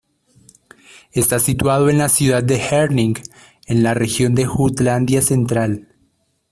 Está situado en la ciudad de Herning, en la región de Jutlandia Central.